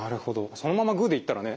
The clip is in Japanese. そのままグーでいったらね